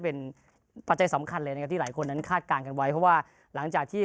ก็อยากให้ทุกคนคอยเชียร์เมย์นะคะในวันพรุ่งนี้ค่ะ